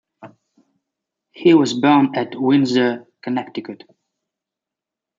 He was born at Windsor, Connecticut.